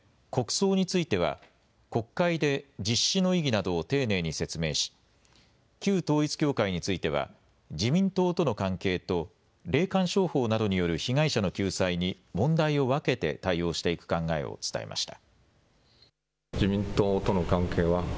そのうえで国葬については国会で実施の意義などを丁寧に説明し旧統一教会については自民党との関係と霊感商法などによる被害者の救済に問題を分けて対応していく考えを伝えました。